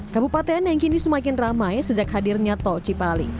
kabupaten yang kini semakin ramai sejak hadirnya tochi pali